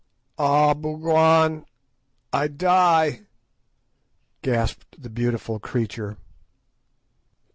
"Ah! Bougwan, I die!" gasped the beautiful creature.